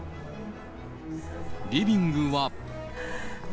リビングは。